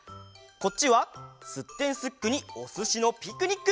こっちは「すってんすっく！」に「おすしのピクニック」。